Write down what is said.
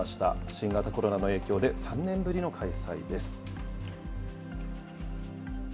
新型コロナの影響で、３年ぶりの開催です。